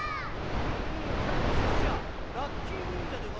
うんいかにもせっしゃラッキィにんじゃでござる。